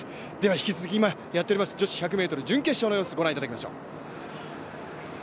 引き続き今やっております女子１００ｍ準決勝の様子をご覧いただきましょう。